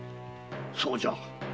そうじゃ。